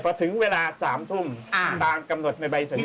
เพราะถึงเวลา๓ทุ่มตามกำหนดในใบสัญญา